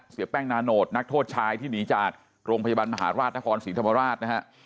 เสียแป้งนาโนตนักโทษชายที่หนีจากโรงพยาบาลมหาราชนครศรีธรรมราชนะฮะ